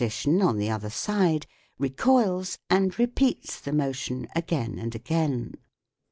the other side, recoils, and repeats the motion again and again.